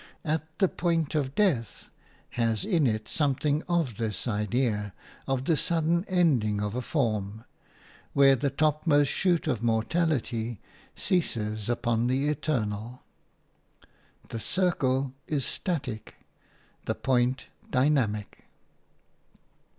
"At the point of death" has in it something of this idea of the sudden ending of a form, where the topmost shoot of mortality ceases upon the eternal. The circle is static, the point dynamic.